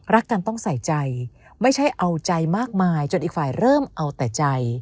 รักกันต้องใส่ใจไม่ใช่เอาใจมากมายจนอีกฝ่ายเริ่มเอาแต่ใจ